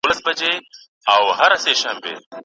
ستا پر کوڅه مي د رویبار تڼاکي وسولېدې